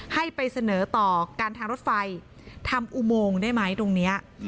ให้ไปเสนอต่อการทางรถไฟทำอุโมงได้ไหมตรงนี้